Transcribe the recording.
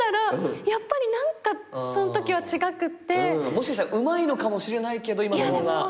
もしかしたらうまいのかもしれないけど今の方が。